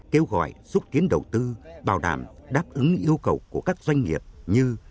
kêu gọi xúc tiến đầu tư bảo đảm đáp ứng yêu cầu của các doanh nghiệp như